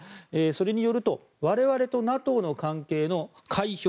それによると我々とＮＡＴＯの関係の解氷